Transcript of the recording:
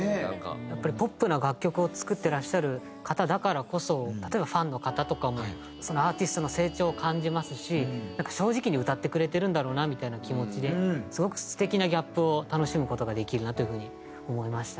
やっぱりポップな楽曲を作ってらっしゃる方だからこそ例えばファンの方とかもアーティストの成長を感じますし正直に歌ってくれてるんだろうなみたいな気持ちですごく素敵なギャップを楽しむ事ができるなという風に思いましたね。